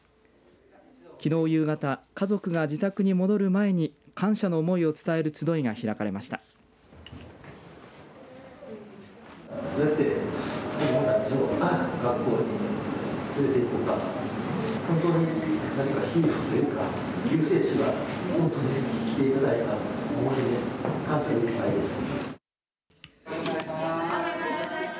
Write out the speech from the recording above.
きのう夕方家族が自宅に戻る前に感謝の思いを伝える集いが開かれました。